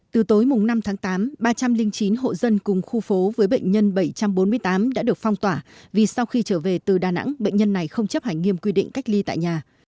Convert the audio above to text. từ tối năm tháng tám ba trăm linh chín hộ dân cùng khu phố với bệnh nhân bảy trăm bốn mươi tám đã được phong tỏa vì sau khi trở về từ đà nẵng bệnh nhân này không chấp hành nghiêm quy định cách ly tại nhà